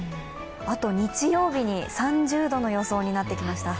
日曜日に３０度の予想になってきました。